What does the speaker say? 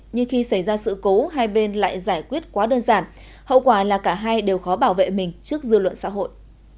nhưng khi xảy ra sự cố hai bên lại giải quyết quá đơn giản hậu quả là cả hai đều khó bảo vệ mình trước dư luận xã hội